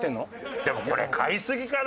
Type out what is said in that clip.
でもこれ買いすぎかな？